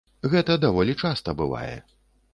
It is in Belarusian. Гэта даволі часта бывае.